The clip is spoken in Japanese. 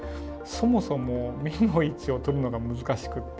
そもそも目の位置を取るのが難しくって。